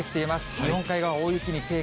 日本海側、大雪に警戒。